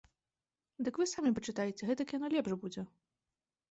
Дык вы самі пачытайце, гэтак яно лепш будзе.